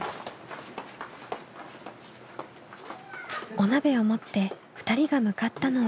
お鍋を持って２人が向かったのは。